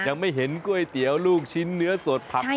ยังไม่เห็นก๋วยเตี๋ยวลูกชิ้นเนื้อสดผัก